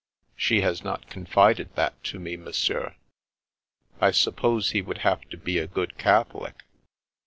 " She has not confided that to me, Monsieur." "I suppose he would have to be a good Catholic?"